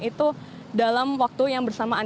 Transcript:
itu dalam waktu yang bersamaan